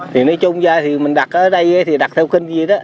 thì nói chung ra thì mình đặt ở đây thì đặt theo kênh gì đó